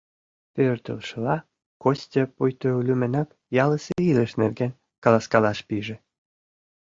Пӧртылшыла, Костя пуйто лӱмынак ялысе илыш нерген каласкалаш пиже.